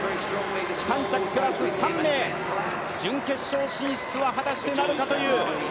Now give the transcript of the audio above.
３着プラス３名が準決勝進出は果たしてなるか？